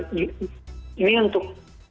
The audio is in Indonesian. kalau yang signifikan